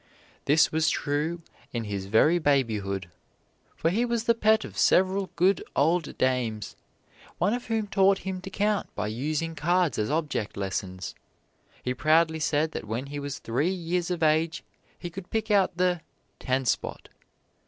This was true in his very babyhood. For he was the pet of several good old dames, one of whom taught him to count by using cards as object lessons He proudly said that when he was three years of age he could pick out the "ten spot."